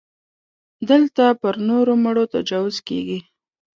دلته پر نرو مړو تجاوز کېږي.